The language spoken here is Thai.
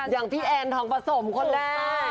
อย่างพี่แอนทองผสมคนแรก